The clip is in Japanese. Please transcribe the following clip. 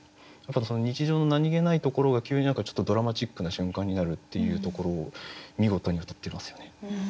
日常の何気ないところが急にちょっとドラマチックな瞬間になるっていうところを見事にうたってますよね。